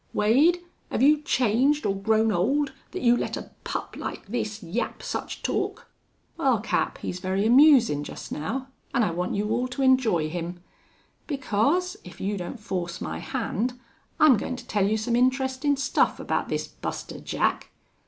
Wade, have you changed or grown old thet you let a pup like this yap such talk?" "Well, Cap, he's very amusin' just now, an' I want you all to enjoy him. Because, if you don't force my hand I'm goin' to tell you some interestin' stuff about this Buster Jack....